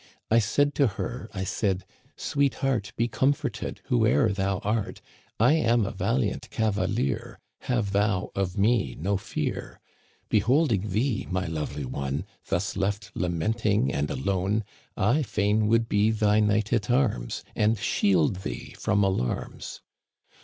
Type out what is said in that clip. I said to her, I said, " Sweet heart. Be comforted, whoe'er thou art I am a valiant cavalier. Have thou of me no fear. Beholding thee, my lovely one. Thus left lamenting and alone, I fain would be thy knight at arms. And shield thee from alarms."